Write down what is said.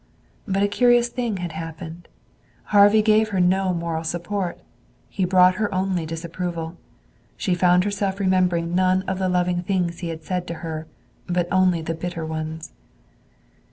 But a curious thing had happened. Harvey gave her no moral support. He brought her only disapproval. She found herself remembering none of the loving things he had said to her, but only the bitter ones.